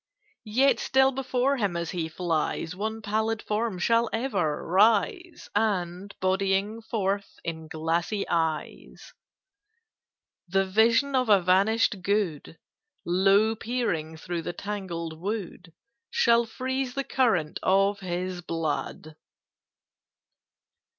"Yet still before him as he flies One pallid form shall ever rise, And, bodying forth in glassy eyes "The vision of a vanished good, Low peering through the tangled wood, Shall freeze the current of his blood."